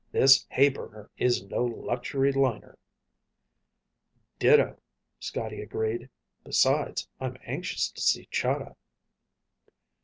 "This hay burner is no luxury liner." "Ditto," Scotty agreed. "Besides, I'm anxious to see Chahda."